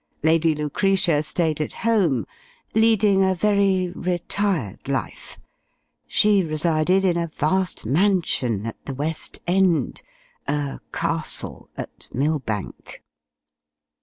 Lady Lucretia stayed at home, leading a very retired life she resided in a vast mansion at the "West end," a castle at Millbank.